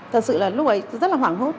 thật sự là lúc ấy rất là hoảng hốt